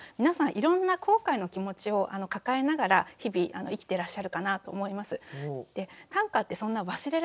いろんな後悔の気持ちを抱えながら日々生きてらっしゃるかなと思います。